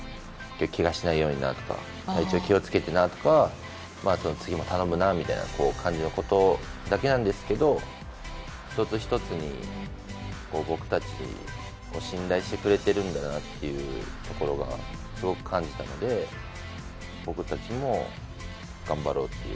けがしないようになとか体調気を付けてなとか次も頼むなみたいな感じのことだけなんですけど１つ１つに僕たちを信頼してくれてるんだなっていうところがすごく感じたので僕たちも頑張ろうという。